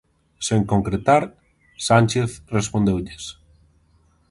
Sen concretar, Sánchez respondeulles...